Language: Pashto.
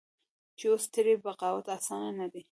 چې اوس ترې بغاوت اسانه نه دى.